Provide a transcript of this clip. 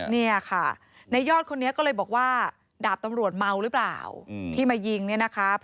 เนี่ยค่ะในยอดคนนี้ก็เลยบอกว่าดาบตำรวจเมาหรือเปล่าที่มายิงเนี่ยนะคะ